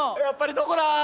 やっぱりどこだ？